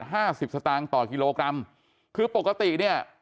สิบสตางค์ต่อกิโลกรัมคือปกติเนี้ย